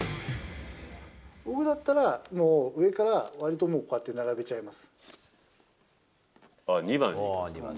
僕だったら、もう上からわりともう、こうやって並べちゃいます。